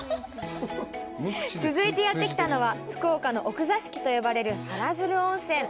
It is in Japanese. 続いてやって来たのは福岡の奥座敷と呼ばれる原鶴温泉